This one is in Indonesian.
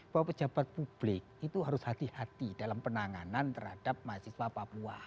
bahwa pejabat publik itu harus hati hati dalam penanganan terhadap mahasiswa papua